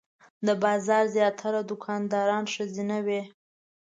د بازار زیاتره دوکانداران ښځینه وې.